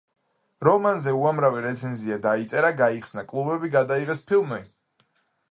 რომანზე უამრავი რეცენზია დაიწერა, გაიხსნა კლუბები, გადაიღეს ფილმი.